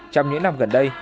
trong những năm gần đây